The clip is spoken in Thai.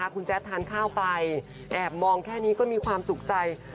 คุณแจ๊ดทานข้าวไปแอบมองแค่นี้ก็มีความสุขใจ